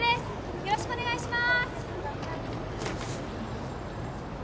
よろしくお願いします